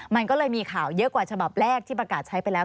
มันก็เลยมีข่าวเยอะกว่าฉบับแรกที่ประกาศใช้ไปแล้ว